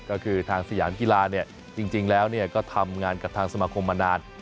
ก็คือทางสยานกีฬาเนี่ยจริงแล้วเนี่ยก็ทำงานกับทางสมาครมมานาน